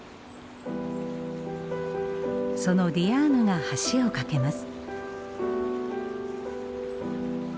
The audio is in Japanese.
そのディアーヌが橋を架けます。